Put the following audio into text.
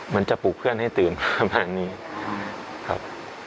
มันจะปลูกเพื่อนให้ตื่นประมาณนี้ครับ